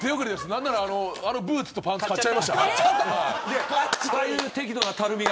何なら、あのブーツとパンツ買っちゃいました。